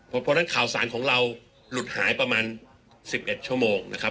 เพราะฉะนั้นข่าวสารของเราหลุดหายประมาณ๑๑ชั่วโมงนะครับ